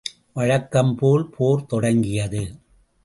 வழக்கம் போல் போர் தொடங்கியது.